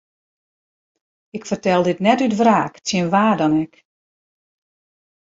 Ik fertel dit net út wraak tsjin wa dan ek.